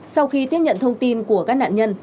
sau khi tiếp nhận thông tin của các nạn nhân